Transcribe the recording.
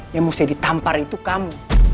yang mesti ditampar itu kamu